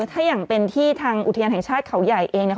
ถ้าอย่างเป็นที่ทางอุทยานแห่งชาติเขาใหญ่เองเนี่ย